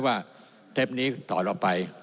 ว่าเตปนี้ถอนออกไป